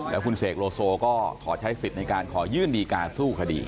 แล้วคุณเสกโลโซก็ขอใช้สิทธิ์ในการขอยื่นดีการสู้คดี